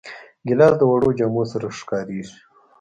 ګیلاس د وړو جامو سره ښکارېږي.